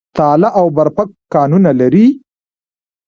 تاله او برفک کانونه لري؟